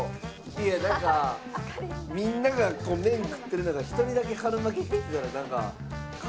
なんかみんなが麺食ってる中一人だけ春巻き食ってたらなんかかわいそうに見える。